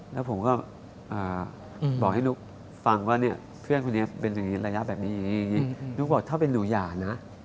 แล้วผมก็บอกให้นุ๊กฟังว่าเพื่อนคนนี้เป็นระยะแบบนี้นุ๊กบอกว่าถ้าเป็นหนูหย่านะ